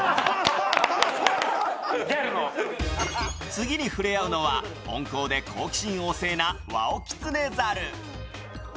次に触れあうのは温厚で好奇心旺盛なワオキツネザル。